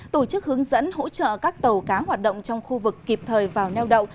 tổ chức hướng dẫn hỗ trợ các tàu cá hoạt động trong khu vực kịp thời vào neo đậu